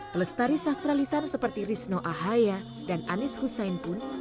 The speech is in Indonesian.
pelestari sastralisan seperti rizno ahaya dan anis hussein pun